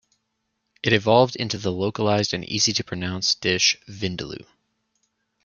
It evolved into the localized and easy-to-pronounce dish "vindaloo".